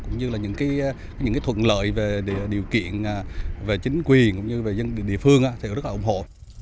cũng như là những thuận lợi về điều kiện về chính quyền cũng như về dân địa phương thì cũng rất là ủng hộ